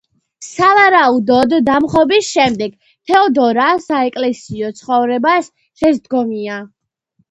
სავარაუდოდ, დამხობის შემდეგ თეოდორა საეკლესიო ცხოვრებას შესდგომია.